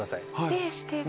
礼してる。